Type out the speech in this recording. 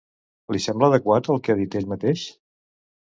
Li sembla adequat el que ha dit ell mateix?